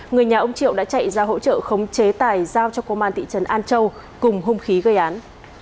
người nhà ông triệu đã chạy ra hỗ trợ khống chế tài giao cho công an thị trấn an châu cùng hung khí gây án